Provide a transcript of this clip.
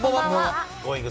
Ｇｏｉｎｇ！